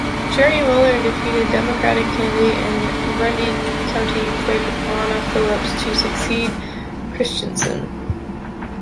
Jerry Weller defeated Democratic candidate and Grundy County Clerk Lana Phillips to succeed Christensen.